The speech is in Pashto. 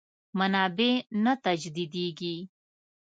منابع نه تجدیدېږي.